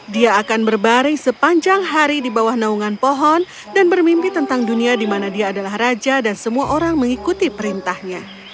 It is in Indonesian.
dia akan berbaring sepanjang hari di bawah naungan pohon dan bermimpi tentang dunia di mana dia adalah raja dan semua orang mengikuti perintahnya